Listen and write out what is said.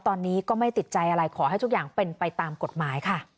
ตอนนี้ก็ไม่ติดใจอะไรขอให้ทุกอย่างเป็นไปตามกฎหมายค่ะ